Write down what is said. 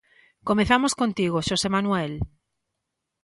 Comezamos contigo, Xosé Manuel.